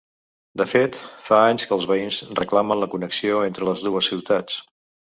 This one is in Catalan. De fet, fa anys que els veïns reclamen la connexió entre les dues ciutats.